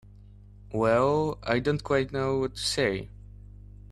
Well—I don't quite know what to say.